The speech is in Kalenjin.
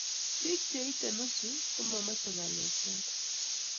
bik che itei nusut ko mamachei ngalek choto